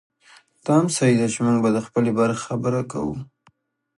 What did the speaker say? دا هم صحي ده چې موږ به د خپلې برخې خبره کوو.